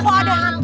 eh jangan dong ibu